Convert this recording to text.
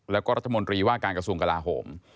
แล้วก็รัฐมนตรีว่าการกระทรวงกลาโหม